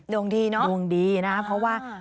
ดวงดีเนาะดวงดีนะครับเพราะว่า